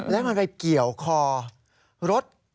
แล้วมันไปเกี่ยวคอรถ